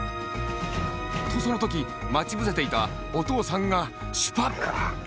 とそのときまちぶせていたおとうさんがシュパッ！